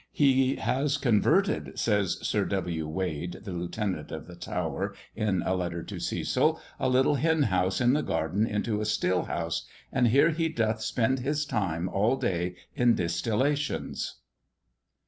"He has converted," says Sir W. Wade, the lieutenant of the Tower, in a letter to Cecil, "a little hen house in the garden into a still house, and here he doth spend his time all day in distillations."